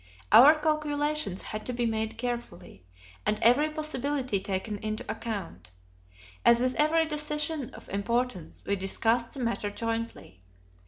Our calculations had to be made carefully, and every possibility taken into account. As with every decision of importance, we discussed the matter jointly.